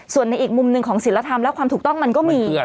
ส่วนในอีกมุมหนึ่งของศิลธรรมและความถูกต้องมันก็มี